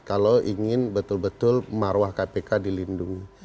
kalau ingin betul betul marwah kpk dilindungi